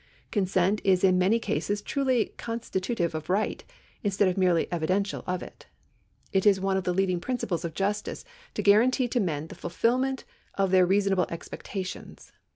Consent is in many cases truly constitutive of right, instead of merely evidential of it. It is one of the leading principles of justice to guarantee to men the fulfilment of their reasonable expectations.